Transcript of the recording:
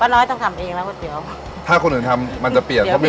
น้อยต้องทำเองแล้วก๋วยเตี๋ยวถ้าคนอื่นทำมันจะเปลี่ยนเพราะไม่